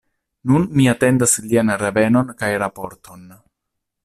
Nun mi atendas lian revenon kaj raporton.